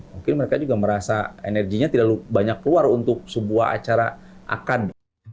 mungkin mereka juga merasa energinya tidak banyak keluar untuk sebuah acara akan